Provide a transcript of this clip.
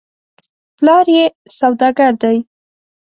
پلار یې سودا ګر دی .